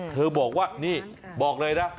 เธอบอกว่านี่บอกเลยนะ